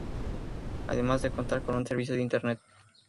Además de contar con un servicio de Internet.